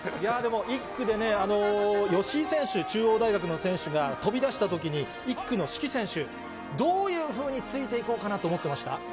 でも１区でね、吉居選手、中央大学の選手が飛び出したときに、１区の志貴選手、どういうふうについていこうかなと思ってました？